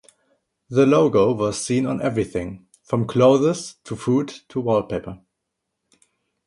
The logo was seen on everything: from clothes to food, to wallpaper.